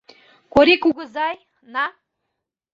Корий кугызай, на.